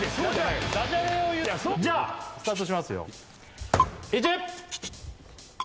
じゃあスタートしますよ